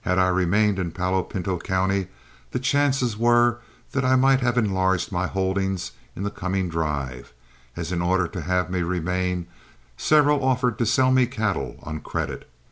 Had I remained in Palo Pinto County the chances were that I might have enlarged my holdings in the coming drive, as in order to have me remain several offered to sell me cattle on credit.